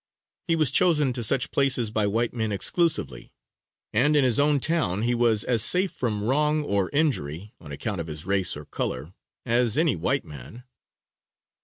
He was chosen to such places by white men exclusively; and in his own town he was as safe from wrong or injury, on account of his race or color, as any white man.